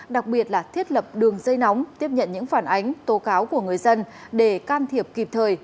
đặc biệt là thiết lập đường dây nóng tiếp nhận những phản ánh tố cáo của người dân để can thiệp kịp thời